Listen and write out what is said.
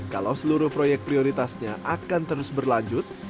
kalau seluruh proyek prioritasnya akan terus berlanjut